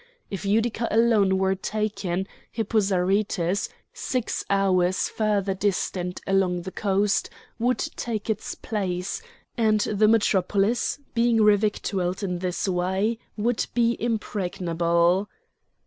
If Utica alone were taken, Hippo Zarytus, six hours further distant along the coast, would take its place, and the metropolis, being revictualled in this way, would be impregnable.